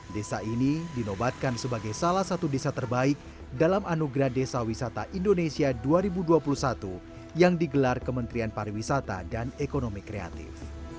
desa ini dinobatkan sebagai salah satu desa terbaik dalam anugerah desa wisata indonesia dua ribu dua puluh satu yang digelar kementerian pariwisata dan ekonomi kreatif